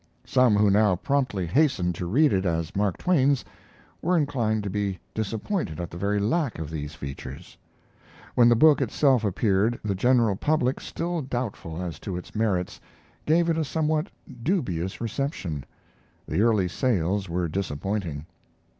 Some who now promptly hastened to read it as Mark Twain's, were inclined to be disappointed at the very lack of these features. When the book itself appeared the general public, still doubtful as to its merits, gave it a somewhat dubious reception. The early sales were disappointing.